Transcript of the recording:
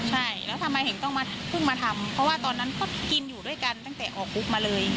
ใช่แล้วทำไมถึงต้องมาเพิ่งมาทำเพราะว่าตอนนั้นเขากินอยู่ด้วยกันตั้งแต่ออกคุกมาเลย